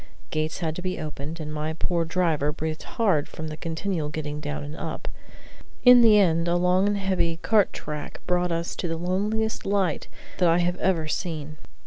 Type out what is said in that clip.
Gates had to be opened, and my poor driver breathed hard from the continual getting down and up. In the end a long and heavy cart track brought us to the loneliest light that I have ever seen.